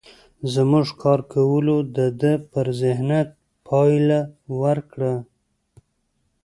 زموږ کار کولو د ده پر ذهنيت پايله ورکړه.